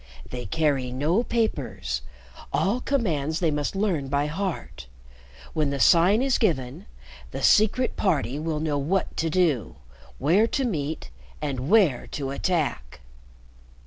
They carry no papers. All commands they must learn by heart. When the sign is given, the Secret Party will know what to do where to meet and where to attack."